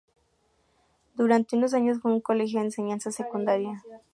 Durante unos años fue un colegio de enseñanza secundaria.